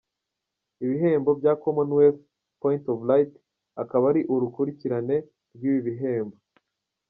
Ibihembo bya Commonwealth Point of Light akaba ari urukurikirane rw’ibi bihembo.